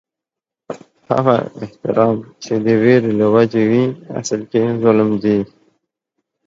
هغه احترام چې د وېرې له وجې وي، اصل کې ظلم دي